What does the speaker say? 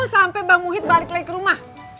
sampai bang muhid balik lagi ke rumah